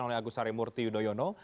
dapatkan oleh agus sari murti yudhoyono